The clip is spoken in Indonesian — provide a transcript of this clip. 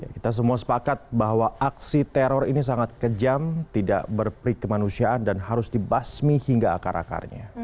kita semua sepakat bahwa aksi teror ini sangat kejam tidak berprikemanusiaan dan harus dibasmi hingga akar akarnya